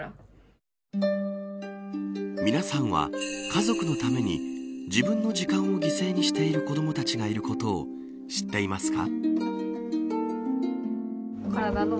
皆さんは家族のために自分の時間を犠牲にしている子どもたちがいることを知っていますか。